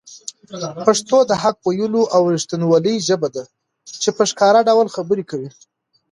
پښتو د حق ویلو او رښتینولۍ ژبه ده چي په ښکاره ډول خبرې کوي.